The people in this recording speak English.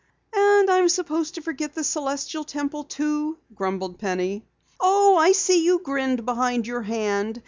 "And I'm supposed to forget the Celestial Temple, too," grumbled Penny. "Oh, I see you grinned behind your hand!